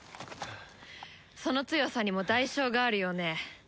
その強さにも代償があるようね。